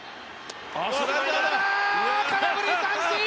空振り三振！